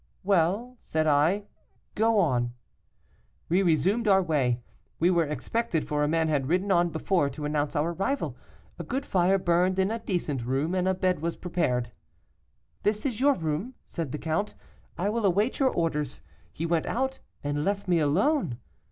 'Well,' said I, 'go on.' We resumed our way. We were expected, for a man had ridden on before to announce our arrival. A good fire burned in a decent room, and a bed was prepared. 'This is your room,' said the count, 'I will await your orders.' He went out and left me alone.